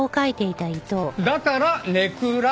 だからネクラ。